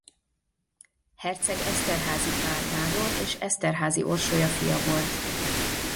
Herceg Esterházy Pál nádor és Esterházy Orsolya fia volt.